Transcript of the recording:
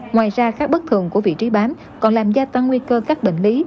ngoài ra khắc bất thường của vị trí bám còn làm gia tăng nguy cơ các bệnh lý